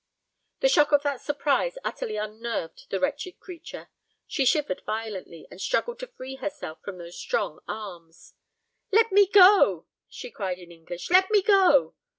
The shock of that surprise utterly unnerved the wretched creature. She shivered violently, and struggled to free herself from those strong arms. "Let me go!" she cried in English. "Let me go!"